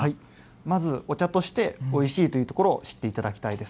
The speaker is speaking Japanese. まず、お茶としておいしいというところを知っていただきたいです。